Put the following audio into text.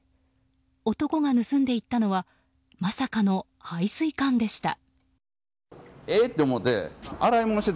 男が盗んでいったのはまさかの排水管でした。